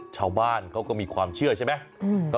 ชาวบ้านเขาก็มีความเชื่อใช่ไหม